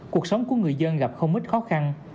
cuộc sống của người dân gặp không ít khó khăn